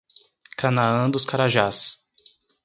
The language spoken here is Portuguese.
Canaã dos Carajás